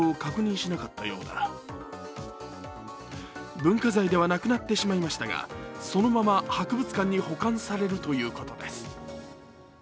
文化財ではなくなってしまいましたが、そのまま博物館に保管されるということです。